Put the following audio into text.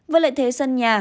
với lợi thế sân nhà